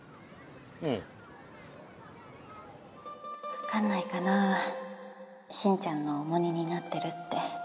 わかんないかなあ進ちゃんの重荷になってるって。